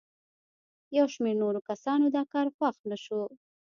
یو شمېر نورو کسانو دا کار خوښ نه شو.